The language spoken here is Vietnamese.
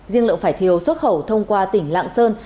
riêng lượng vải thiều xuất khẩu thông qua tỉnh lạng sơn